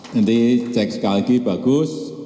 nanti cek sekali lagi bagus